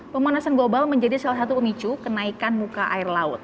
pemanasan global menjadi salah satu pemicu kenaikan muka air laut